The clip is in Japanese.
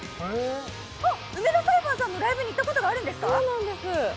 あっ、梅田サイファーさんのライブに行ったことがあるんですね。